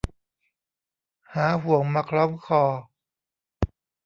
หาห่วงมาคล้องคอ